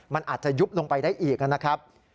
มันอาจจะยุบลงไปได้อีกนะครับ